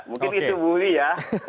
mungkin itu bu wuy ya